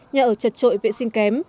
nhà ở chật trội vệ sinh kém